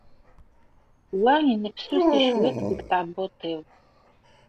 Wa yennefsusi cwiṭ deg tɛebbuḍt-iw.